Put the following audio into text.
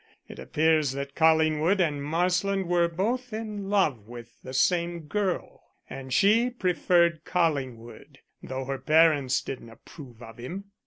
It appears that Collingwood and Marsland were both in love with the same girl, and she preferred Collingwood, though her parents didn't approve of him.